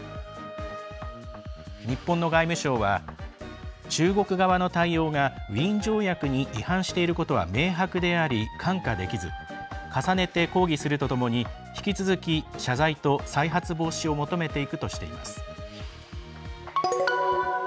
日本の外務省は中国側の対応がウィーン条約に違反していることは明白であり看過できず重ねて抗議するとともに引き続き、謝罪と再発防止を求めていくとしています。